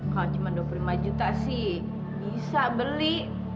kalau cuma dua puluh lima juta sih bisa beli